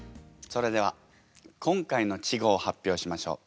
それでは今回の稚語を発表しましょう。